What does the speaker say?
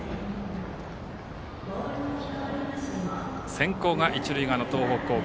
先攻が一塁側の東北高校。